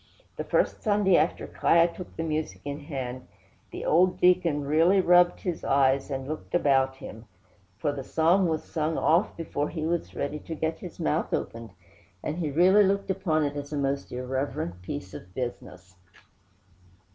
The first Sunday after 'Kiah took the music in hand, the old deacon really rubbed his eyes and looked about him, for the psalm was sung off before he was ready to get his mouth opened, and he really looked upon it as a most irreverent piece of business.